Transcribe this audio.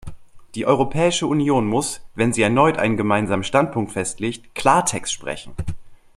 Die Europäische Union muss, wenn sie erneut einen Gemeinsamen Standpunkt festlegt, Klartext sprechen.